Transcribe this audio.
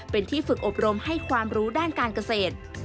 เป็นที่ฝึกอบรมให้ความรู้ด้านการเกษตร